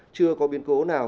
chưa có biến cố nào